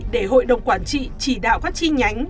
để hội đồng quản trị chỉ đạo các chi nhánh